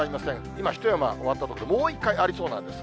今、一山終わったところで、もう一回ありそうなんです。